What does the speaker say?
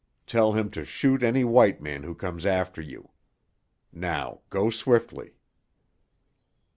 Tell him to shoot any white man who comes after you. Now go swiftly."